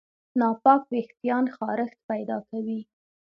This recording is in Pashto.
ناپاک وېښتيان خارښت پیدا کوي.